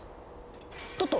トット！